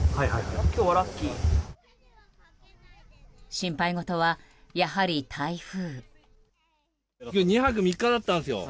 心配事は、やはり台風。